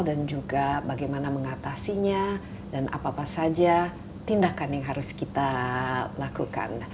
dan juga bagaimana mengatasinya dan apa apa saja tindakan yang harus kita lakukan